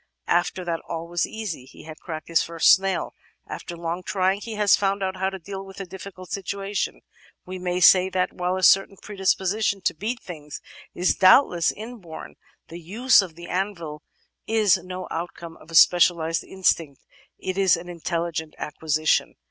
After that all was easy. He had cracked his first snail. After long trying he had found out how to deal with a difficult situation. We may say, then, that while a certain predisposition to beat things is doubtless inborn, the use of the anvil is no outcome of a specialised instinct, it is an intelligent acquisition."